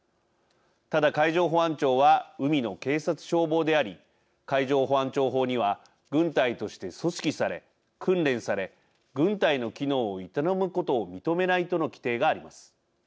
ただ海上保安庁は海の警察・消防であり海上保安庁法には軍隊として組織され、訓練され軍隊の機能を営むことを認めないとの規定があります。